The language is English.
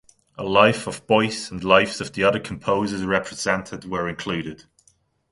A life of Boyce and lives of the other composers represented were included.